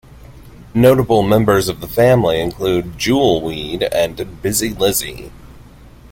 Notable members of the family include jewelweed and busy Lizzie.